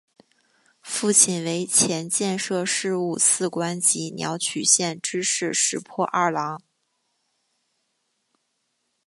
父亲为前建设事务次官及鸟取县知事石破二朗。